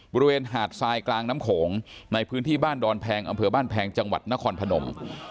บริเวณหาดทรายกลางน้ำโขงในพื้นที่บ้านดอนแพงอำเภอบ้านแพงจังหวัดนครพนม